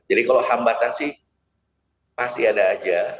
jadi kalau hambatan sih pasti ada aja